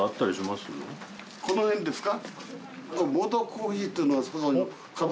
この辺ですか？